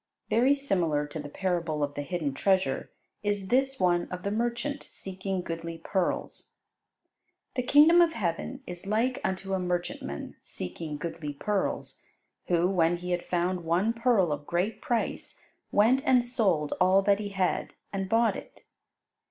Very similar to the parable of the Hidden Treasure is this one of the merchant seeking goodly pearls. "The kingdom of heaven is like unto a merchantman seeking goodly pearls, who, when he had found one pearl of great price, went and sold all that he had, and bought it."